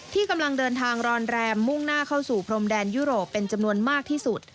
ที่กำลังเดินทางรอนแรมมุ่งหน้าเข้าสู่พรมแดนยุโรปเป็นจำนวนมากที่สุด